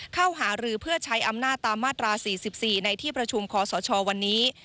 เข้าหารือเพื่อใช้อำนาจตามมาตรา๔๔ในที่ประชุมคอสชวันนี้